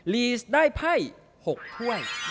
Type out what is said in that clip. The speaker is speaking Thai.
ลีสได้ไพ่๖ถ้วย